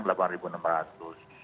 jadi kita pantau terus